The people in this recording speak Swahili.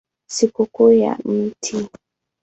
Sikukuu ya Mt.